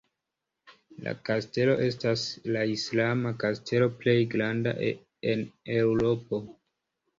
La Kastelo estas la islama kastelo plej granda en Eŭropo.